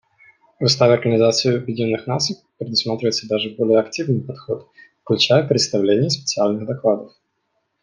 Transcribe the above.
В Уставе Организации Объединенных Наций предусматривается даже более активный подход, включая представление специальных докладов.